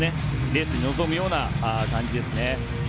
レースに臨むような感じですね。